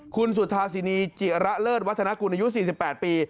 คุณสุธาสินีจิระเลิศวัฒนากุลอายุ๔๘ปี